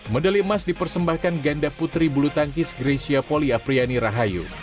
medali emas dipersembahkan ganda putri bulu tangkis grecia poli apriani rahayu